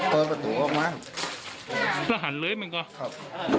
เปิดประตูออกมาแล้วหันเลยมันก็ขับ